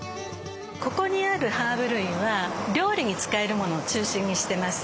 ここにあるハーブ類は料理に使えるものを中心にしてます。